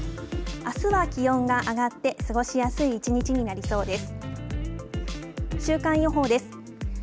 あすは気温が上がって、過ごしやすい一日になりそうです。